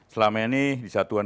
selama ini disatuan